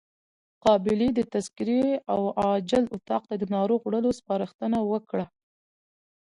قابلې د تذکرې او عاجل اتاق ته د ناروغ وړلو سپارښتنه وکړه.